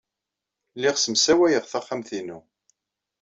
Lliɣ ssemsawayeɣ taxxamt-inu.